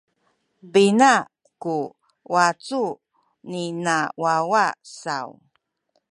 Pina ku wacu nina wawa saw?